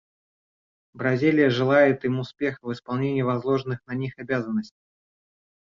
Бразилия желает им успеха в исполнении возложенных на них обязанностей.